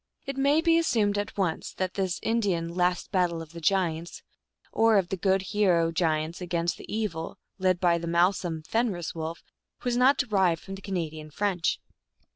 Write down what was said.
It may be assumed at once that this Indian Last Battle of the Giants, or of the good hero giants against the Evil, led by the Malsum Fenris Wolf, was not de rived from the Canadian French.